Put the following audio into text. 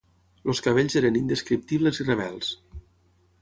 Els cabells eren indescriptibles i rebels.